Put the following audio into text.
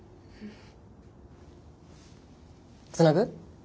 つなぐ？